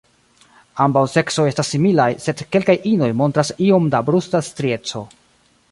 Ambaŭ seksoj estas similaj, sed kelkaj inoj montras iom da brusta strieco.